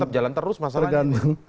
tapi tetap jalan terus masalahnya